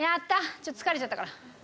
ちょっと疲れちゃったから。